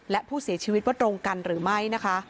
และผู้เสียชีวิตว่าตรงกันหรือไม่นะคะ